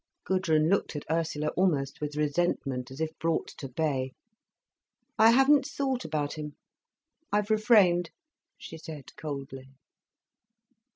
Gudrun looked at Ursula, almost with resentment, as if brought to bay. "I haven't thought about him: I've refrained," she said coldly.